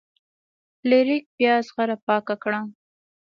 فلیریک بیا زغره پاکه کړه.